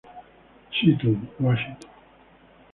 Seattle, Wash.